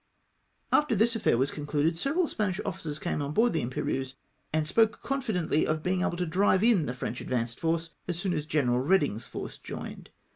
After this affair was concluded, several Spanish officers came on board the Imperieuse, and spoke con fidently of being able to drive in the French advanced force as soon as General Eeding's force joined.